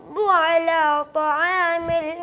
bara sabuk safaan